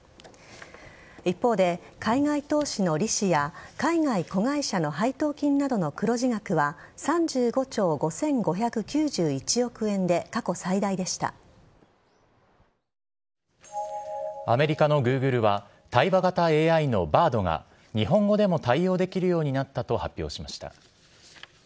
一方で海外投資の利子や海外子会社の配当金などの黒字額は３５兆５５９１億円でアメリカのＧｏｏｇｌｅは対話型ＡＩのＢａｒｄが日本語でも対応できるようになったと発表しました。